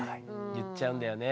言っちゃうんだよね